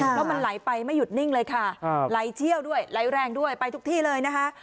เพราะมันไหลไปไม่หยุดนิ่งเลยค่ะไหลเชี่ยวด้วยไหลแรงด้วยไปทุกที่เลยนะคะ